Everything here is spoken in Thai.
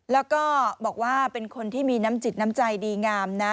แล้วก็บอกว่าเป็นคนที่มีน้ำจิตน้ำใจดีงามนะ